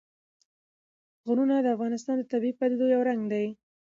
غرونه د افغانستان د طبیعي پدیدو یو رنګ دی.